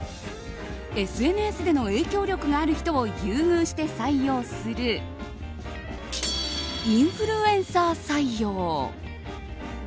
ＳＮＳでの影響力がある人を優遇して採用するインフルエンサー採用。